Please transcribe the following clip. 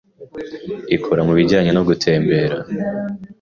ikora mu bijyanye no gutembera,